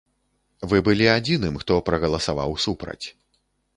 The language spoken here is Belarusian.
Вы былі адзіным, хто прагаласаваў супраць.